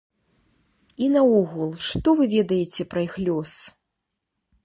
І наогул, што вы ведаеце пра іх лёс?